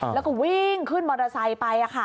แล้วก็วิ่งขึ้นมอเตอร์ไซค์ไป